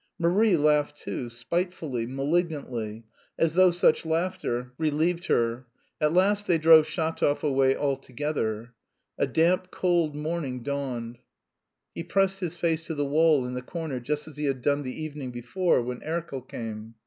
Marie laughed too, spitefully, malignantly, as though such laughter relieved her. At last they drove Shatov away altogether. A damp, cold morning dawned. He pressed his face to the wall in the corner just as he had done the evening before when Erkel came.